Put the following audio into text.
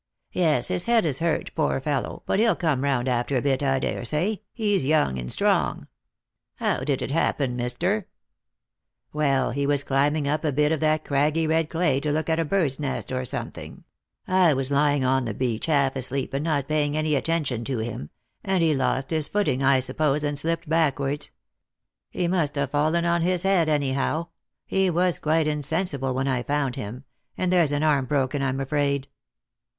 " Yes, his head is hurt, poor fellow ; but he'll come round after a bit, I daresay. He's young and strong." Lost for Love. 331 " How did it happen, mister P "" Well, he was climbing up a hit of that craggy red clay to loot at a bird's nest or something — I was lying on the beach half asleep, and not paying any attention to him — and he lost his footing, I suppose, and slipped backwards. He must have ulien on his head, anyhow. He was quite insensible when I foun I him ; and there's an arm broken, I'm afraid."